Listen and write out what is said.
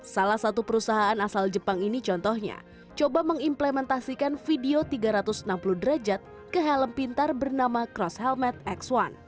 salah satu perusahaan asal jepang ini contohnya coba mengimplementasikan video tiga ratus enam puluh derajat ke helm pintar bernama cross helmet x satu